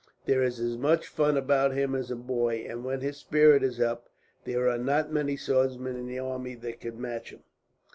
There is as much fun about him as a boy, but when his spirit is up, there are not many swordsmen in the army that could match him.